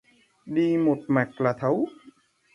Đi một mạch là thấu